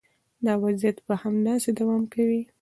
دا وضعیت به همداسې دوام کوي.